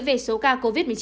về số ca covid một mươi chín